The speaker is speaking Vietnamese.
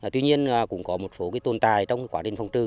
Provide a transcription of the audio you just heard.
tuy nhiên cũng có một số tồn tài trong quá trình phong trư